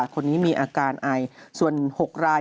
คนนี้มีอาการไอส่วน๖ราย